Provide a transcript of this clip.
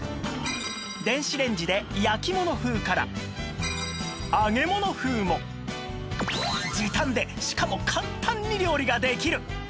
電子レンジで焼き物風から揚げ物風も時短でしかも簡単に料理ができる！